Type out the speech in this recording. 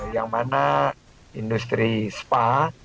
yang mana industri spa